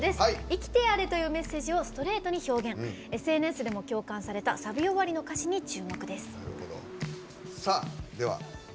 「生きてやれ」というメッセージをＳＮＳでも共感されたサビ終わりの歌詞に注目です。